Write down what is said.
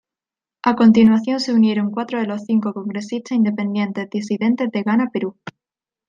A continuación se unieron cuatro de los cinco congresistas independientes disidentes de Gana Perú.